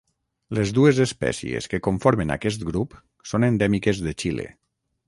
Les dues espècies que conformen aquest grup són endèmiques de Xile.